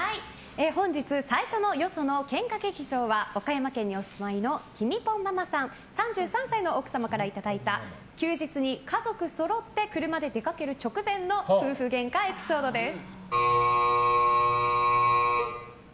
本日最初のよその喧嘩劇場は岡山県にお住まいのきみぽんママさん、３３歳の奥様からいただいた休日に家族そろって車で出かける直前の夫婦ゲンカエピソードです。